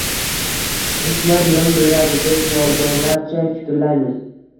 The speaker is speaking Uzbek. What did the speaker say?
Dushman yon beradi deb nodonlarcha fikrlaymiz